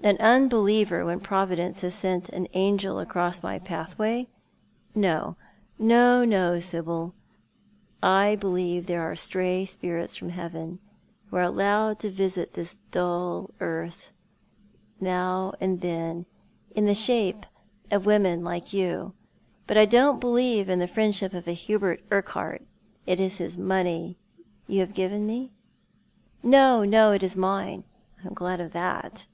" An unbeliever, when Providence has sent an angel acro?.s my pathway? No, no, no, Sibyl. I believe there are stray spirits from Heaven who are allowed to visit this dull earth L 146 Thou art the Man. now and then, in the shape of women like you. But I don't believe in the friendship of Hubert Urquhart. Is it his money you have given me ?"'■' No, no, it is mine." " I am glad of that."